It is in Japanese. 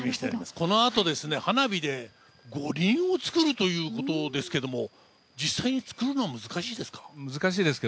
このあと、花火で五輪を作るということですけど、実際に作るの難しいですか？